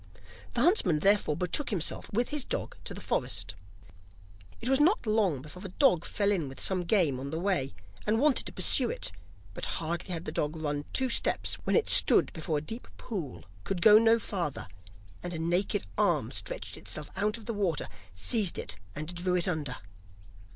The huntsman therefore betook himself with his dog to the forest. It was not long before the dog fell in with some game on the way, and wanted to pursue it; but hardly had the dog run two steps when it stood before a deep pool, could go no farther, and a naked arm stretched itself out of the water, seized it, and drew it under.